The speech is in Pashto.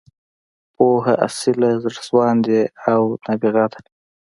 پوهه، اصیله، زړه سواندې او نابغه ده.